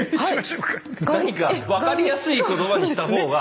何か分かりやすい言葉にした方が。